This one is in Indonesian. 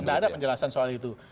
tidak ada penjelasan soal itu